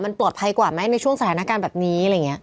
มันปลอดภัยกว่าไหมในช่วงสถานการณ์แบบนี้อะไรอย่างนี้